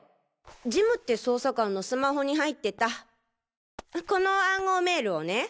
ジムって捜査官のスマホに入ってたこの暗号メールをね！